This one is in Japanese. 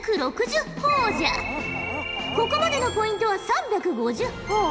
ここまでのポイントは３５０ほぉ。